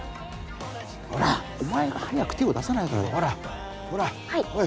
ほらお前が早く手を出さないからだほらおい